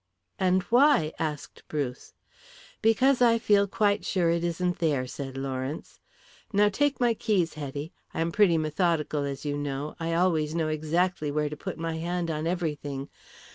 "And why?" asked Bruce. "Because I feel quite sure it isn't there," said Lawrence. "Now take my keys, Hetty. I am pretty methodical, as you know; I always know exactly where to put my hand on everything.